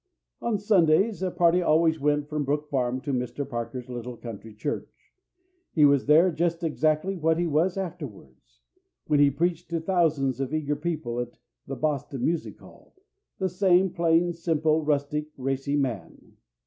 On Sundays a party always went from Brook Farm to Mr. Parker's little country church. He was there just exactly what he was afterwards, when he preached to thousands of eager people at the Boston Music Hall the same plain, simple, rustic, racy man.